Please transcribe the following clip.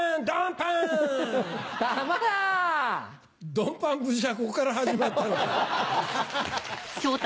『ドンパン節』はここから始まったのか。